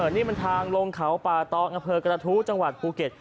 นี่มันทางลงเขาป่าตองอำเภอกระทู้จังหวัดภูเก็ต